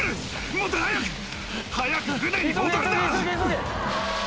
・・もっと早く！早く船に戻るんだ！